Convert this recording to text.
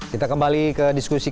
tetap di rumah